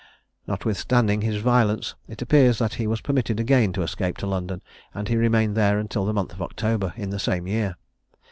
Notwithstanding his violence, it appears that he was permitted again to escape to London; and he remained there until the month of October in the same year.